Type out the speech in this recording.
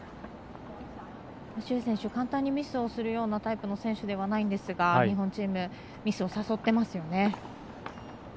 朱選手、簡単にミスをするようなタイプの選手ではないんですが日本チームミスを誘ってますよね。